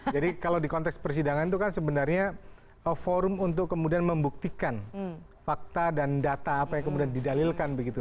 jadi kalau di konteks persidangan itu kan sebenarnya forum untuk kemudian membuktikan fakta dan data apa yang kemudian didalilkan begitu